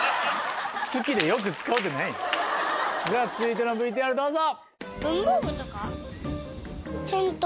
続いての ＶＴＲ どうぞ。